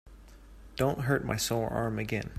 Don't hurt my sore arm again.